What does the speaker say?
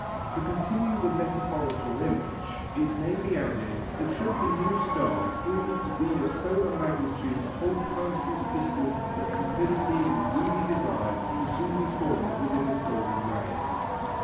To continue the metaphorical image it may be added that should the new star prove to be of solar magnitude a whole planetary system of cupidity and greedy desire will soon be formed within its golden rays.